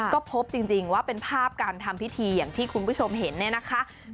ก็พบจริงว่าเป็นภาพที่คุณผู้ชมเห็นของทำพิธีรัก